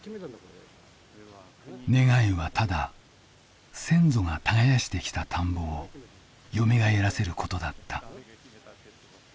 願いはただ先祖が耕してきた田んぼをよみがえらせることだった。